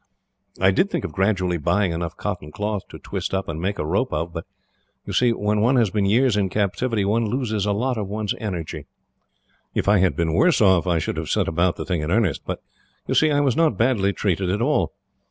"I did think of gradually buying enough cotton cloth to twist up and make a rope of; but you see, when one has been years in captivity, one loses a lot of one's energy. If I had been worse off, I should have set about the thing in earnest; but you see, I was not badly treated at all.